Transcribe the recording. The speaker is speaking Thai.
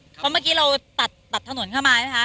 เพราะเมื่อกี้เราตัดตัดถนนเข้ามานะฮะ